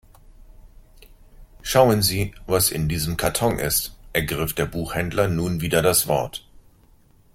Schauen Sie, was in diesem Karton ist, ergriff der Buchhändler nun wieder das Wort.